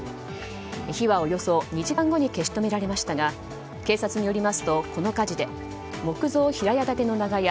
火は、およそ２時間後に消し止められましたが警察によりますとこの火事で木造平屋建ての長屋